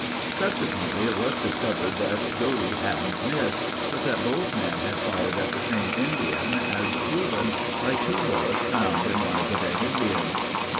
Subsequently it was discovered that Godey hadn't missed, but that both men had fired at the same Indian as proven by two bullets found in one of the dead Indians.